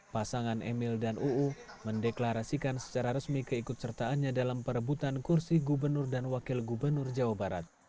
pasangan emil dan uu mendeklarasikan secara resmi keikut sertaannya dalam perebutan kursi gubernur dan wakil gubernur jawa barat